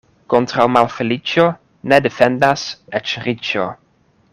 Kontraŭ malfeliĉo ne defendas eĉ riĉo.